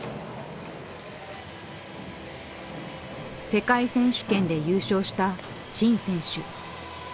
世界選手権で優勝した陳選手。